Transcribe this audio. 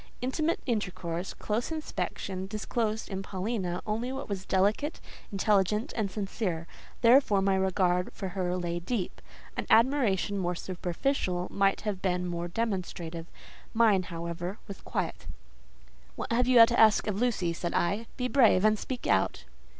Intimate intercourse, close inspection, disclosed in Paulina only what was delicate, intelligent, and sincere; therefore my regard for her lay deep. An admiration more superficial might have been more demonstrative; mine, however, was quiet. "What have you to ask of Lucy?" said I; "be brave, and speak out."